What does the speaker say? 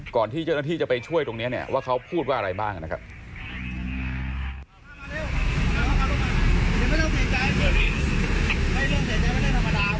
ก่อนที่เจ้าหน้าที่จะไปช่วยตรงนี้เนี่ยว่าเขาพูดว่าอะไรบ้างนะครับ